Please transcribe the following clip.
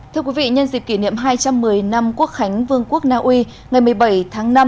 thưa quý vị nhân dịp kỷ niệm hai trăm một mươi năm quốc khánh vương quốc naui ngày một mươi bảy tháng năm